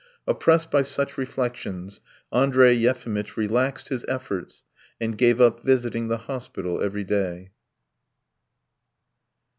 Oppressed by such reflections, Andrey Yefimitch relaxed his efforts and gave up visiting the hospital every day.